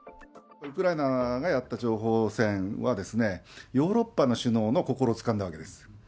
ウクライナがやった情報戦は、ヨーロッパの首脳の心をつかんだわけです。